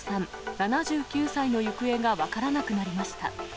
７９歳の行方が分からなくなりました。